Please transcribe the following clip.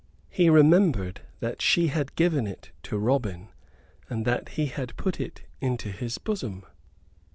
He remembered that she had given it to Robin, and that he had put it into his bosom.